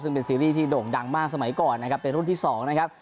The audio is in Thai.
ซึ่งเป็นซีรีส์ที่โด่งดังมากสมัยก่อนนะครับเป็นรุ่นที่๒นะครับ